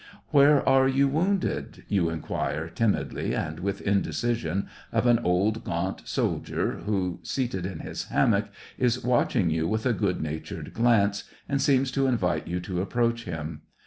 " Where are you wounded }" you inquire, tim idly and with indecision, of an old, gaunt soldier, who, seated in his hammock, is watching you with a good natured glance, and seems to invite you to approach him.